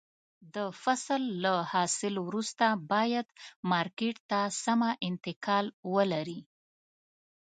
د فصل له حاصل وروسته باید مارکېټ ته سمه انتقال ولري.